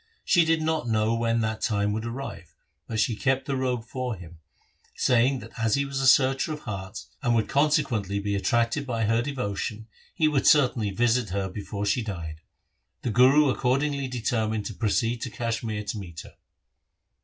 She did not know when that time would arrive, but she kept the robe for him, saying that as he was a searcher of hearts, and would consequently be attracted by her devotion, he would certainly visit her before she died. The Guru accordingly determined to proceed to Kashmir to meet her.